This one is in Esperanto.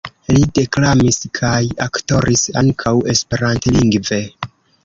Li deklamis kaj aktoris ankaŭ Esperantlingve.